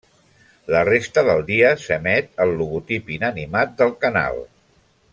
La resta del dia s'emet el logotip inanimat del canal.